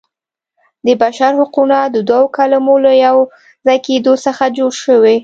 د بشر حقونه د دوو کلمو له یو ځای کیدو څخه جوړ شوي.